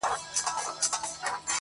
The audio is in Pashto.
د هر چا په زړه کي اوسم بېګانه یم!